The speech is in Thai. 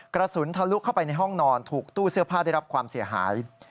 กระสุนทะลุเข้าไปในห้องนอนถูกตู้เสื้อผ้าได้รับความเสียหาย